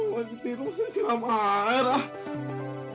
kalau mau ditiru harus isi lamah air ah